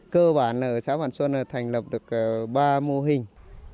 cơ bản là xã vạn xuân thành lập được ba mô hình